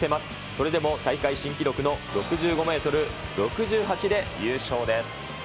それでも大会新記録の６５メートル６８で優勝です。